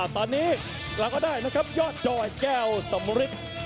ตอนนี้เราก็ได้นะครับยอดดอยแก้วสมฤทธิ์